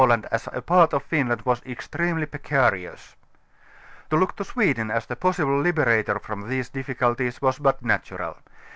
land as a part of Finland was extremely' precarious. To look to Sweden, as the possible liberator from these difficulties, was but natural.